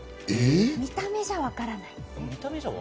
見た目じゃわからない。